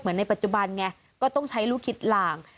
เหมือนในปัจจุบันไงก็ต้องใช้ลูกคิดราง